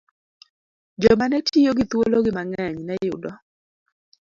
Joma ne tiyo gi thuologi mang'eny ne yudo